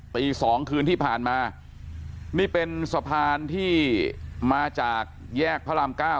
ตี๒คืนที่ผ่านมานี่เป็นสะพานที่มาจากแยกพระรามเก้า